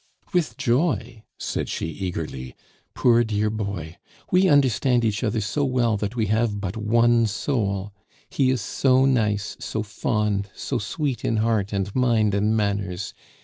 "With joy," said she eagerly, "poor dear boy! We understand each other so well that we have but one soul! He is so nice, so fond, so sweet in heart and mind and manners!